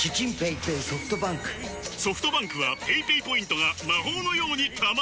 ソフトバンクはペイペイポイントが魔法のように貯まる！